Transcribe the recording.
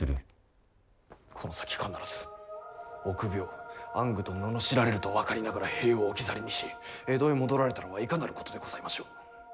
「この先必ず臆病暗愚と罵られると分かりながら兵を置き去りにし江戸へ戻られたのはいかなることでございましょう。